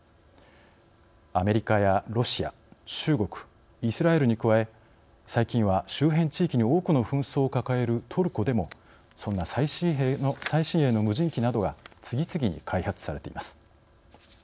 アメリカやロシア中国、イスラエルに加え最近は周辺地域に多くの紛争を抱えるトルコでもそんな最新鋭の無人機などが次々に開発されています。